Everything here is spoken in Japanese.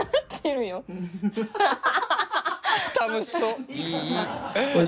楽しそう！